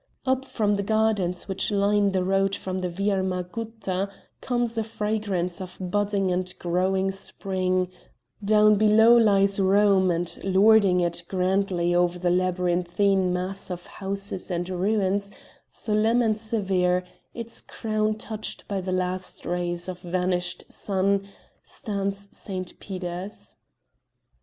Up from the gardens which line the road from the Via Margutta, comes a fragrance of budding and growing spring; down below lies Rome, and lording it grandly over the labyrinthine mass of houses and ruins, solemn and severe, its crown touched by the last rays of the vanished sun, stands St Peter's.